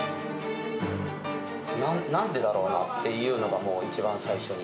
なんでだろうなっていうのが、もう一番最初に。